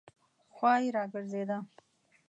خوا یې راګرځېده.